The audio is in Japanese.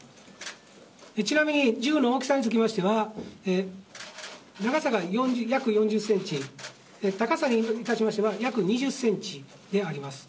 ちなみに銃の大きさにつきましては長さが約４０センチ高さにいたしましては約２０センチであります。